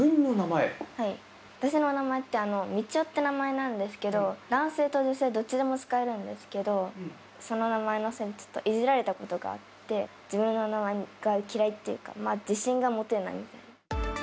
私の名前って、みちおって名前なんですけど、男性と女性どっちでも使えるんですけど、その名前のせいでいじられたことがあって、自分の名前が嫌いっていうか、自信が持てない。